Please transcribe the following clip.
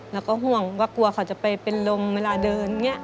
แล้วก็ห่วงว่ากลัวเขาจะไปเป็นลงเวลาเดิน